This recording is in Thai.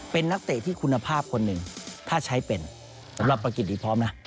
เป็นนักเตะที่คุณภาพคนหนึ่งถ้าใช้เป็นสำหรับประกิจดีพร้อมนะ